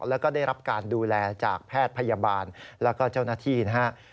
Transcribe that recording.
แล้วก็ได้รับการดูแลจากแพทย์พยาบาลแล้วก็เจ้าหน้าที่นะครับ